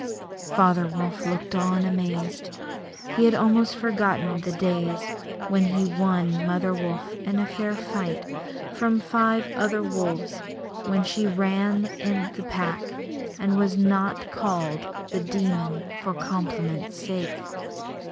Father Wolf looked on amazed. He had almost forgotten the days when he had won Mother Wolf in fair fight from five other wolves, when she ran in the Pack and was not called The Demon for compliment's sake.